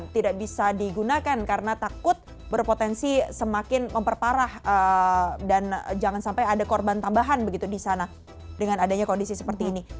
tidak bisa digunakan karena takut berpotensi semakin memperparah dan jangan sampai ada korban tambahan begitu di sana dengan adanya kondisi seperti ini